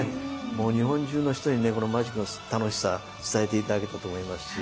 もう日本中の人にねこのマジックの楽しさ伝えて頂けたと思いますし。